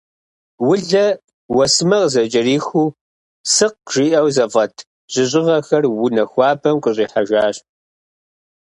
Улэ, уэсымэ къызыкӏэрихыу, «сыкъ» жиӏэу зэфӏэт жьыщӏыгъэхэр унэ хуабэм къыщӏихьэжащ.